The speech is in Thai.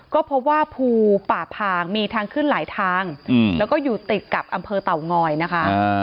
ก็พบว่าภูป่าพางมีทางขึ้นหลายทางแล้วก็อยู่ติดกับอำเภอเต่างอยนะคะ